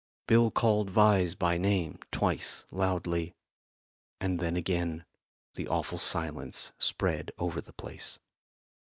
Bill called Vyse by name twice loudly, and then again the awful silence spread over the place.